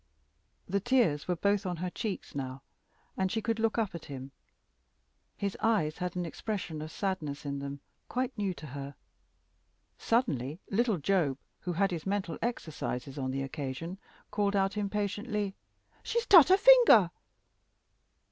The tears were both on her cheeks now, and she could look up at him. His eyes had an expression of sadness in them, quite new to her. Suddenly little Job, who had his mental exercises on the occasion, called out, impatiently "She's tut her finger!"